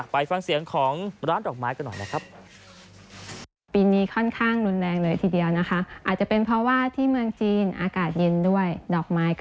ไปฟังเสียงของร้านดอกไม้กันหน่อยนะครับ